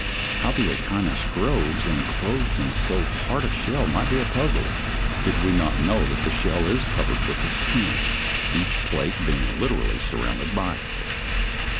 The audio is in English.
How the Echinus grows inclosed in so hard a shell might be a puzzle did we not know that the shell is covered with a skin, each plate being literally surrounded by it.